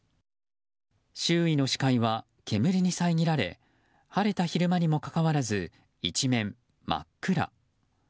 周囲の視界は煙に遮られ晴れた昼間にもかかわらず一面真っ暗。